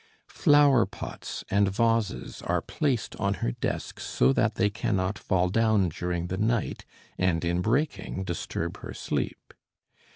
Flowerpots and vases are placed on her desk so that they cannot fall down during the night, and in breaking disturb her sleep.